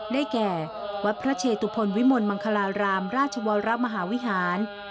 ได้แก่วัดพระเชตุพลวิมลมังคลารามราชวรมหาวิหาร